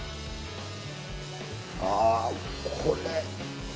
ああこれ！